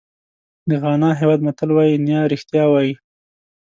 د غانا هېواد متل وایي نیا رښتیا وایي.